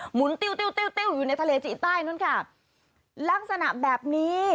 หุนติ้วติ้วติ้วติ้วอยู่ในทะเลจีนใต้นู้นค่ะลักษณะแบบนี้